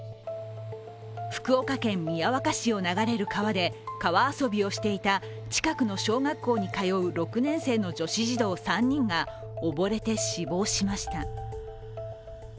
福岡県宮若市を流れる川で川遊びをしていた近くの小学校に通う６年生の女子児童３人が溺れて死亡しました。